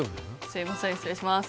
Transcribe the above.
すいません失礼します